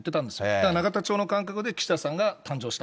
だから永田町の感覚で岸田さんが誕生した。